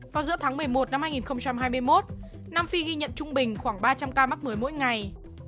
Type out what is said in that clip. vào giữa tháng một mươi một năm hai nghìn hai mươi một nam phi ghi nhận trung bình khoảng ba trăm linh ca mắc mới mỗi ngày